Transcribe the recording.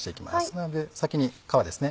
なので先に皮ですね。